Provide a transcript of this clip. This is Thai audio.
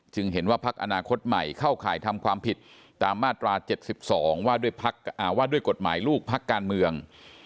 เห็นว่าพักอนาคตใหม่เข้าข่ายทำความผิดตามมาตรา๗๒ว่าด้วยกฎหมายลูกพักการเมือง